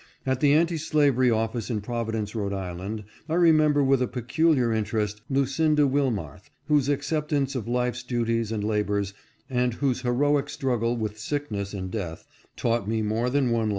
At the anti slavery office in Providence, Rhode Island, I remember with a peculiar interest Lucinda Wilmarth, whose accept ance of life's duties and labors, and whose heroic strug gle with sickness and death, taught me more than one 574 woman's rights.